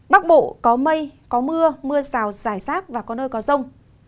bắc bộ có mây có mưa mưa rào rải rác và có nơi có rông